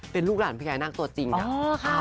เป็นลูกหลานพญานาคตัวจริงนะ